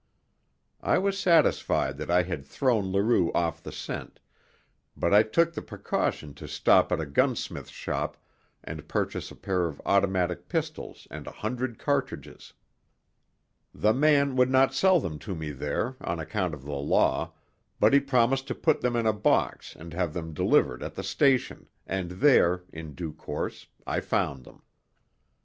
I was satisfied that I had thrown Leroux off the scent, but I took the precaution to stop at a gunsmith's shop and purchase a pair of automatic pistols and a hundred cartridges. The man would not sell them to me there on account of the law, but he promised to put them in a box and have them delivered at the station, and there, in due course, I found them.